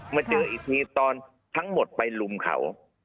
มาเจออีกทีตอนทั้งหมดไปลุมเขา